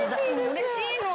うれしいの！